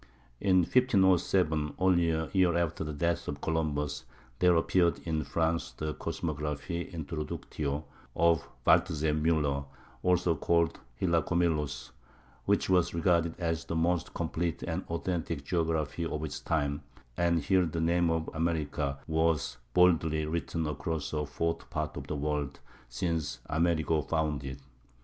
In 1507, only a year after the death of Columbus, there appeared in France the "Cosmographie Introductio" of Waldseemüller (also called Hylacomylus), which was regarded as the most complete and authentic geography of its time; and here the name of America was boldly written across "a fourth part of the world, since Amerigo found it."